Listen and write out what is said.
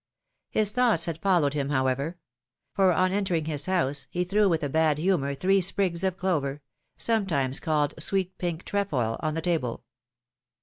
His thoughts had follow'ed him, hoAvever; for, on entering his house, he threw Avith a bad humor three sprigs of clover — sometimes called sweet pink trefoil — on the table.